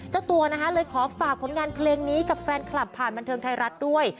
เจ้าตัวนะคะเลยขอฝากผลงานเพลงนี้กับแฟนคลับผ่านบันเทิงไทยรัฐด้วย